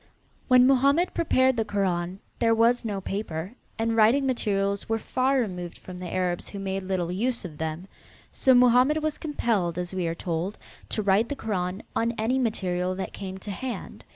When Mohammed prepared the Koran there was no paper, and writing materials were far removed from the Arabs who made little use of them. So Mohammed was compelled, as we are told, to write the Koran on any material that came to hand.